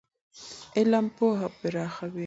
علم پوهه پراخوي.